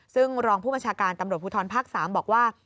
ซึ่งรองผู้บัญชาการตำรวจภูทรภาค๓บอกว่า